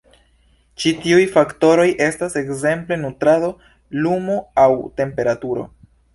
Ĉi-tiuj faktoroj estas ekzemple nutrado, lumo aŭ temperaturo.